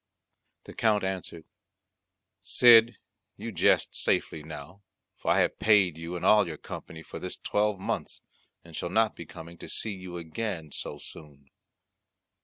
The Count answered, "Cid, you jest safely now, for I have paid you and all your company for this twelve months, and shall not be coming to see you again so soon."